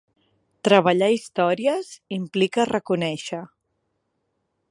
Treballar històries implica reconèixer.